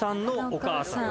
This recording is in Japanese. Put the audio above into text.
お母さん。